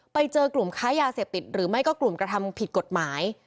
ไปเจอกลุ่มค้ายาเสพติดหรือไม่ก็กลุ่มกระทำผิดกฎหมาย